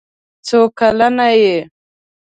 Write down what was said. څو کلن یې.